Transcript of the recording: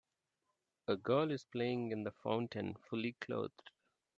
A girl is playing in the fountain fully clothed.